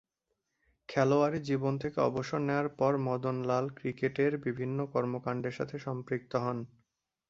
খেলোয়াড়ী জীবন থেকে অবসর নেয়ার পর মদন লাল ক্রিকেটের বিভিন্ন কর্মকাণ্ডের সাথে সম্পৃক্ত হন।